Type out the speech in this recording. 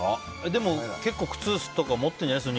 でも、結構靴とか持ってるんじゃない？